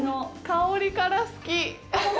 香りから好き！